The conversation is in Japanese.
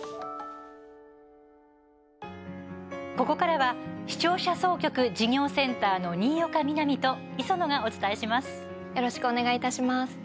ここからは視聴者総局事業センターの新岡みなみと礒野がお伝えします。